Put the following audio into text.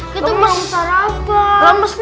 kita mau sarapan